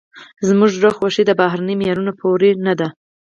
زموږ زړه خوښي د بهرني معیارونو پورې نه ده.